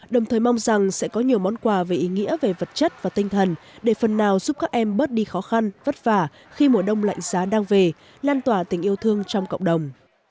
đồng thời mong rằng sẽ có nhiều món quà về ý nghĩa về vật chất và tinh thần để phần nào giúp các em bớt đi khó khăn vất vả khi mùa đông lạnh giá đang về lan tỏa tình yêu thương trong cộng đồng